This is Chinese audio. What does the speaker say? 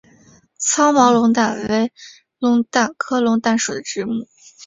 糙毛龙胆为龙胆科龙胆属的植物。